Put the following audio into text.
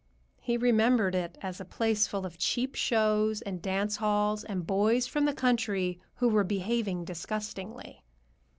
He remembered it as a place full of cheap shows and dance halls and boys from the country who were behaving disgustingly.